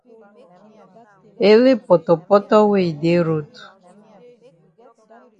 Ele potopoto wey yi dey road.